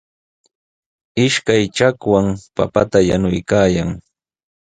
Ishkay chakwan papata yanuykaayan.